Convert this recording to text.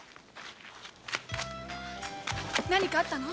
何かあったの？